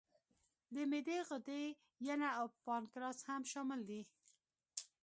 د معدې غدې، ینه او پانکراس هم شامل دي.